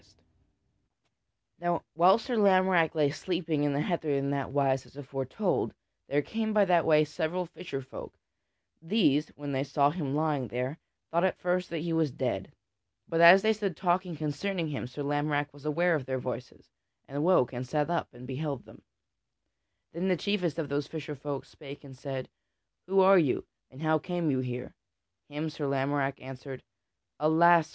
[Sidenote: The fisher folk disarm Sir Lamorack] Now whilst Sir Lamorack lay sleeping in the heather in that wise as aforetold, there came by that way several fisher folk; these, when they saw him lying there, thought at first that he was dead. But as they stood talking concerning him, Sir Lamorack was aware of their voices and woke and sat up and beheld them. Then the chiefest of those fisher folk spake and said, "Who are you, and how came you here?" Him Sir Lamorack answered: "Alas!